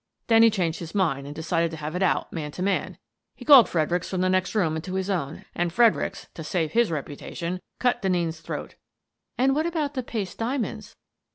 Then he changed his mind and decided to have it out, man to man. He called Fredericks from the next room into his own, and Fredericks, to save his reputation, cut Denneen's throat." " And what about the paste diamonds?